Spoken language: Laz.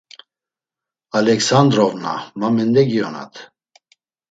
Aleksandrovna ma mendegiyonat.